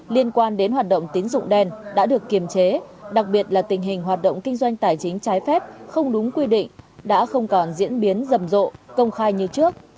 liên quan đến hoạt động tín dụng đen đã được kiềm chế đặc biệt là tình hình hoạt động kinh doanh tài chính trái phép không đúng quy định đã không còn diễn biến rầm rộ công khai như trước